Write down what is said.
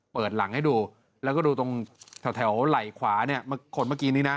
เปิดหลังให้ดูแล้วก็ดูตรงแถวไหล่ขวาเนี่ยคนเมื่อกี้นี้นะ